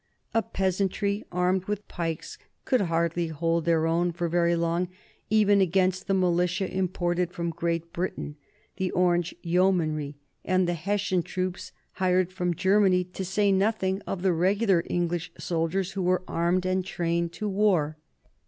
A peasantry armed with pikes could hardly hold their own for very long even against the militia imported from Great Britain, the Orange yeomanry, and the Hessian troops hired from Germany, to say nothing of the regular English soldiers, who were armed and trained to war.